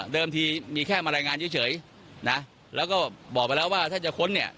ทีมีแค่มารายงานเฉยนะแล้วก็บอกไปแล้วว่าถ้าจะค้นเนี่ย